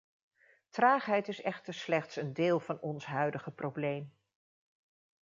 Traagheid is echter slechts een deel van ons huidige probleem.